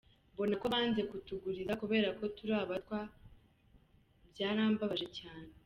Mbona ko banze kutuguriza kubera ko turi Abatwa, byarambaje cyane.